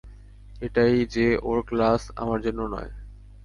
এটাই যে, ওর ক্লাস আমার জন্য নয়।